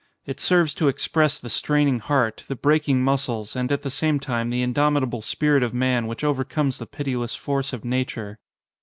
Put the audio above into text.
It serves to express the straining heart, the breaking muscles, and at the same time the indomitable spirit of man which overcomes the pitiless force of nature.